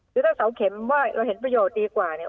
คือถ้าเสาเข็มว่าเราเห็นประโยชน์ดีกว่าเนี่ย